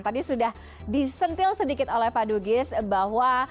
tadi sudah disentil sedikit oleh pak dugis bahwa